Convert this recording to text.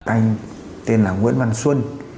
anh tên là nguyễn văn xuân